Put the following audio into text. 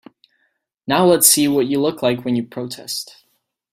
Now let's see what you look like when you protest.